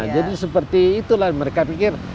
jadi seperti itulah mereka pikir